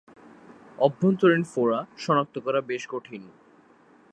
অভ্যন্তরীণ ফোড়া শনাক্ত করা বেশ কঠিন।